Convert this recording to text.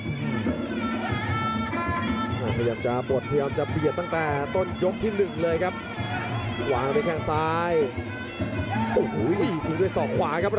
พยายามจะปลดเพียงพยายามจะเปียดตั้งแต่ต้นยกที่๑เลยครับ